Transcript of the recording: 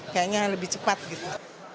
kayaknya lebih cepat gitu